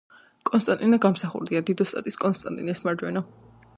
კონსტანტინე გამსახურდია დიდოსტატის კონსტანტინეს მარჯვენა